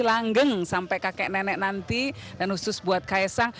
langgeng sampai kakek nenek nanti dan khusus buat kaesang